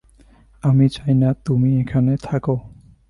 আমি চাই না তুমি এখানে থাকো।